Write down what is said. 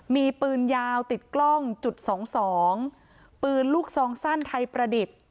มีปืนยาวติดกล้องจุดสองสองปืนลูกซองสั้นไทยประดิษฐ์